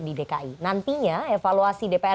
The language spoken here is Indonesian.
di dki nantinya evaluasi dpr